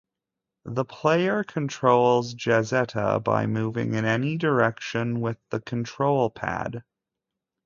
The player controls Jazeta by moving in any direction with the control pad.